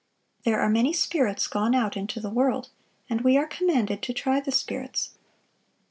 '... There are many spirits gone out into the world; and we are commanded to try the spirits.